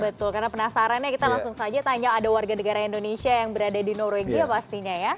betul karena penasarannya kita langsung saja tanya ada warga negara indonesia yang berada di norwegia pastinya ya